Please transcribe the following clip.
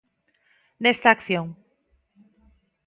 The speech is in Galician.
Nesta acción.